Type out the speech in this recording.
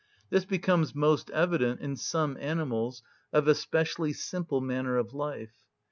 This becomes most evident in some animals of a specially simple manner of life.